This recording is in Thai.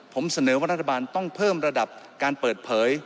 ผมเสนอว่ารัฐบาลต้องเพิ่มระดับการเปิดเผย